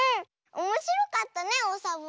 おもしろかったねオサボスキー。